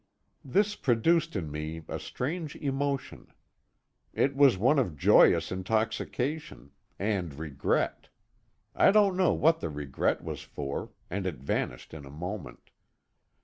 This produced in me a strange emotion. It was one of joyous intoxication and regret. I don't know what the regret was for, and it vanished in a moment.